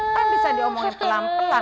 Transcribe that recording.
kan bisa diomongin pelan pelan